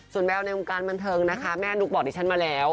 ส่วนแมวในวงการบันเทิงนะคะแม่นุ๊กบอกดิฉันมาแล้ว